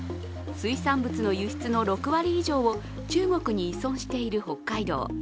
水産物の輸出の６割以上を中国に依存している北海道。